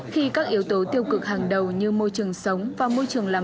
khi các yếu tố tiêu cực hàng đầu như môi trường sống và môi trường làm